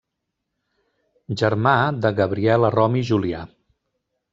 Germà de Gabriel Arrom i Julià.